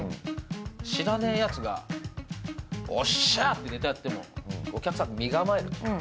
知らないやつが、おっしゃ！ってネタやってもお客さんは身構える。